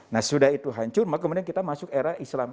nah sudah itu hancur maka kemudian kita masuk era islam